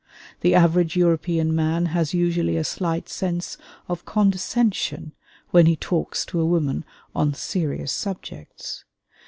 The average European man has usually a slight sense of condescension when he talks to a woman on serious subjects.